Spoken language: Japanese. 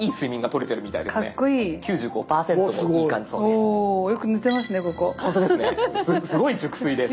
すごい熟睡です。